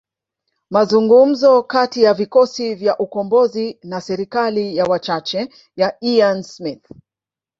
Mazungumzo kati ya vikosi vya ukombozi na serikali ya wachache ya Ian Smith